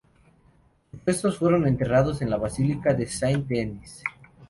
Sus restos fueron enterrados en la basílica de Saint-Denis.